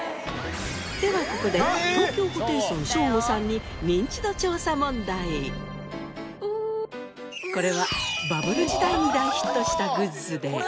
ではここで東京ホテイソンショーゴさんにこれはバブル時代に大ヒットしたグッズで。